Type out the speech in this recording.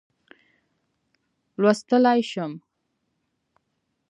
لوستلای شم.